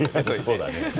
そうだね。